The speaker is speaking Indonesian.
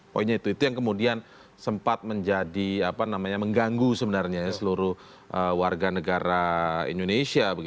poinnya itu yang kemudian sempat menjadi apa namanya mengganggu sebenarnya seluruh warga negara indonesia